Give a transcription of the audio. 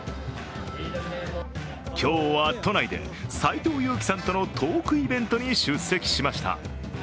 今日は、都内で斎藤佑樹さんとのトークイベントに出席しました。